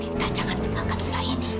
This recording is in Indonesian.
minta jangan tinggalkan upaya ini